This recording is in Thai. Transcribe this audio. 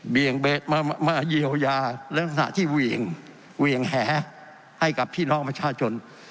เบียงเบสมาเยียวยาเรื่องขนาดที่เวียงแหให้กับพี่น้องประชาชน